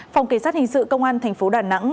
phòng kỳ sát hình sự công an tp đà nẵng